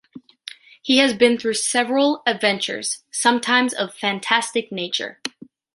He has been through several adventures, sometimes of fantastic nature.